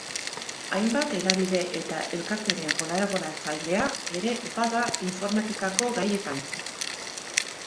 Hainbat hedabide eta elkarteren kolaboratzailea ere bada informatikako gaietan.